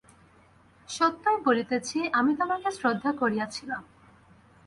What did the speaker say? সত্যই বলিতেছি, আমি তোমাকে শ্রদ্ধা করিয়াছিলাম।